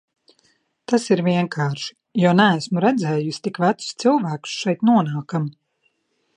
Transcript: Tas ir vienkārši, jo neesmu redzējusi tik vecus cilvēkus šeit nonākam.